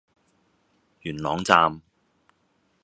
元朗站